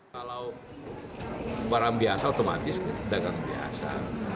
kalau barang biasa otomatis dagang biasa